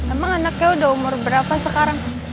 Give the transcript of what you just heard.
emang anaknya udah umur berapa sekarang